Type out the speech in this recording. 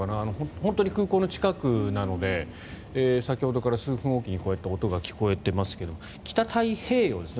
本当に空港の近くなので先ほどから数分おきにこうやって音が聞こえていますが北太平洋ですね。